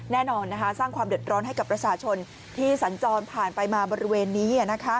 แน่นอนสร้างความเดือดร้อนให้กับประชาชนที่สัญจรผ่านไปมาบริเวณนี้